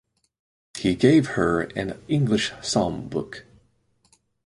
He gave her an English psalm book.